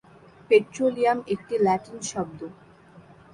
Petroleum একটি Latin শব্দ।